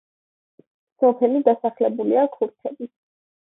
სოფელი დასახლებულია ქურთებით.